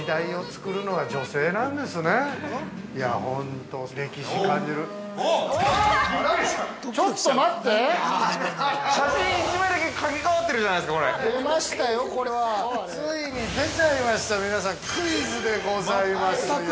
ついに出ちゃいました、皆さんクイズでございますよ。